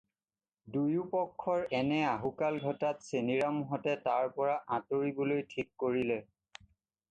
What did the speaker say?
দুয়ো পক্ষৰ এনে আহুকাল ঘটাত চেনিৰামহঁতে তাৰ পৰা আঁতৰিবলৈকে ঠিক কৰিলে।